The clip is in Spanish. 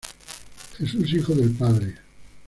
Jesús hijo del padre.